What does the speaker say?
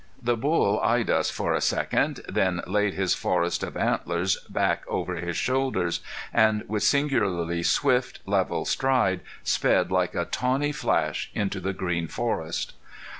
The bull eyed us for a second, then laid his forest of antlers back over his shoulders, and with singularly swift, level stride, sped like a tawny flash into the green forest.